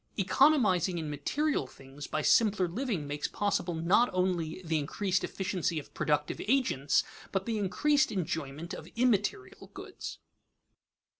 Economizing in material things by simpler living makes possible not only the increased efficiency of productive agents but the increased enjoyment of immaterial goods.